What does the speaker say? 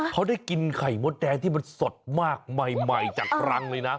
เขาได้กินไข่มดแดงที่มันสดมากใหม่จากรังเลยนะ